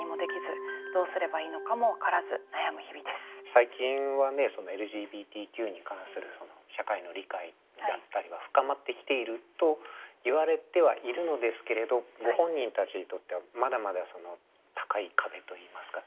最近はねＬＧＢＴＱに関する社会の理解だったりは深まってきているといわれてはいるのですけれどご本人たちにとってはまだまだ高い壁といいますか。